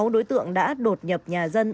sáu đối tượng đã đột nhập nhà dân